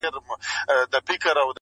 ټوله ژوند مي سترګي ډکي له خیالونو٫